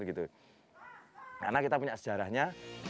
karena kita punya sejarahnya